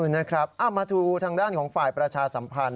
นะครับมาดูทางด้านของฝ่ายประชาสัมพันธ